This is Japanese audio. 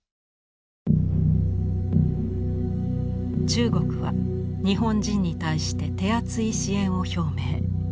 中国は日本人に対して手厚い支援を表明。